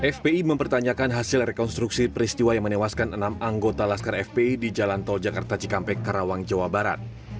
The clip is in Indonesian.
fpi mempertanyakan hasil rekonstruksi peristiwa yang menewaskan enam anggota laskar fpi di jalan tol jakarta cikampek karawang jawa barat